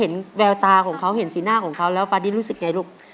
แววตาของเขาเห็นสีหน้าของเขาแล้วฟาดินรู้สึกไงลูก